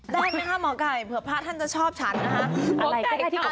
ได้ไหมคะหมอไก่เผื่อพระท่านจะชอบฉันนะคะ